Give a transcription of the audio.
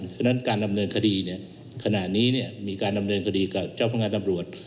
เพราะฉะนั้นการดำเนินคดีขณะนี้มีการดำเนินคดีกับเจ้าพนักงานตำรวจ